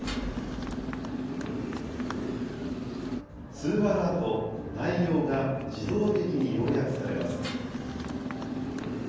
通話のあと、内容が自動的に要約されます。